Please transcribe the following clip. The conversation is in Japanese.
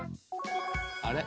あれ？